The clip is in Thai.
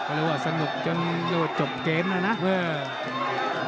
ก็เรียกว่าสนุกจนจบเกมแล้วนะ